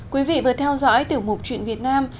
quý vị vừa theo dõi tiểu mục chuyện việt nam